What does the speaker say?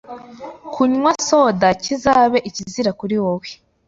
Kunywa soda kizabe ikizira kuri wowe,